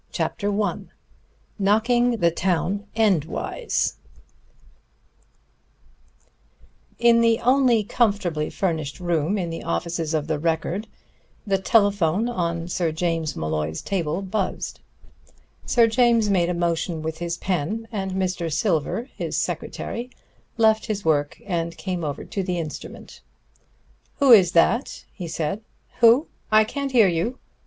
CHAPTER I KNOCKING THE TOWN ENDWAYS In the only comfortably furnished room in the offices of the Record, the telephone on Sir James Molloy's table buzzed. Sir James made a motion with his pen, and Mr. Silver, his secretary, left his work and came over to the instrument. "Who is that?" he said. "Who?... I can't hear you